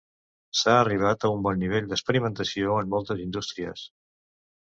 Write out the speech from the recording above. S'ha arribat a un bon nivell d'experimentació en moltes indústries.